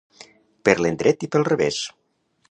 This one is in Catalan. Per l'endret i pel revés.